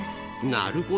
なるほど。